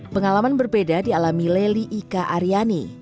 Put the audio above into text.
pengalaman berbeda di alami leli ika aryani